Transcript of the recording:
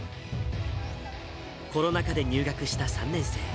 コロナ禍で入学した３年生。